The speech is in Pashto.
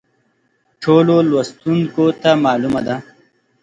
ټولو لوستونکو ته معلومه ده.